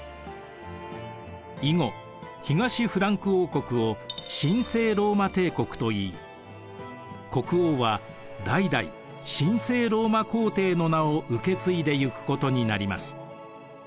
以後東フランク王国を神聖ローマ帝国といい国王は代々神聖ローマ皇帝の名を受け継いでいくことになります。